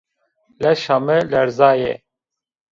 Leşa mi lerzaye